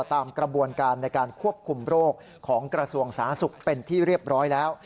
ตามกระบวนการในการควบคุมโรคของกระทรวงสาธารณสุขเป็นที่เรียบร้อยแล้ว